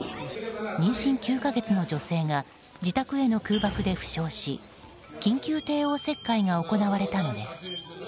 妊娠９か月の女性が自宅への空爆で負傷し緊急帝王切開が行われたのです。